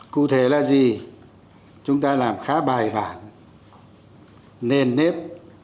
cụ thể là gì chúng ta làm khá bài bản nền nếp